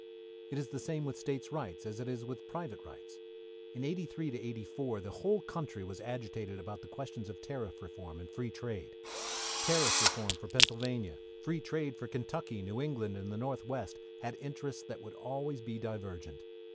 It is the same with State rights as it is with private rights. In '83 '84, the whole country was agitated about the questions of tariff reform and free trade. Tariff reform for Pennsylvania, free trade for Kentucky. New England and the North west had interests that would always be divergent.